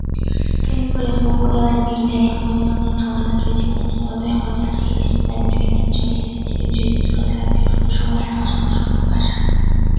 鉴于各联合国国家的人民已在联合国宪章中重申他们对基本人权、人格尊严和价值以及男女平等权利的信念,并决心促成较大自由中的社会进步和生活水平的改善